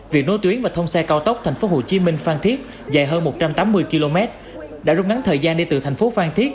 việc nối tuyến và thông xe cao tốc tp hcm phan thiết dài hơn một trăm tám mươi km đã rút ngắn thời gian đi từ tp pan thiết